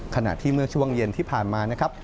ขณะที่เมื่อช่วงเย็นที่ผ่านมานะครับ